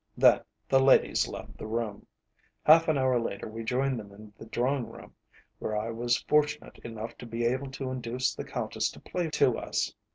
Then the ladies left the room. Half an hour later we joined them in the drawing room, where I was fortunate enough to be able to induce the Countess to play to us.